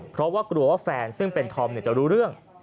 เพราะว่ากลัวว่าแฟนซึ่งเป็นธอมจะรู้เรื่อง